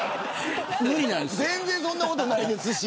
全然そんなことないですし。